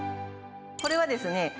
これはですね